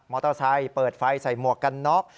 เตอร์ไซค์เปิดไฟใส่หมวกกันน็อก